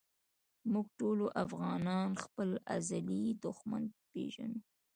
مونږ ټولو افغانان خپل ازلي دښمن پېژنو